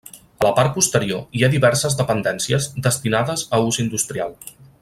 A la part posterior hi ha diverses dependències destinades a ús industrial.